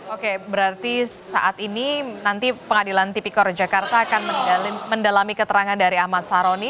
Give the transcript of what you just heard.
oke berarti saat ini nanti pengadilan tipikor jakarta akan mendalami keterangan dari ahmad saroni